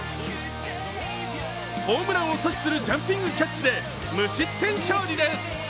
ホームランを阻止するジャンピングキャッチで無失点勝利です。